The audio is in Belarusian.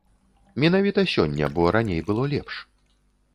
Менавіта сёння, бо раней было лепш.